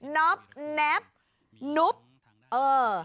น๊อปแนปนุพเออ